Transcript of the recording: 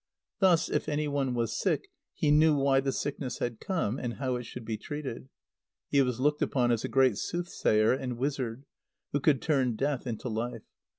Thus, if any one was sick, he knew why the sickness had come, and how it should be treated. He was looked upon as a great soothsayer and wizard, who could turn death into life.